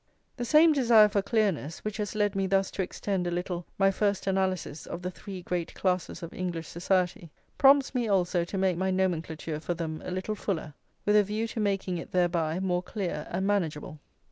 The same desire for clearness, which has led me thus to extend a little my first analysis of the three great classes of English society, prompts me also to make my nomenclature for them a little fuller, with a view to making it thereby more clear and manageable.